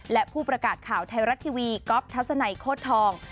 และผู้ประกาศข่าวไทยรัฐทีวีก๊อฟทัศนัยโคตรทอง